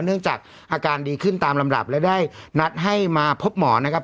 เนื่องจากอาการดีขึ้นตามลำดับและได้นัดให้มาพบหมอนะครับ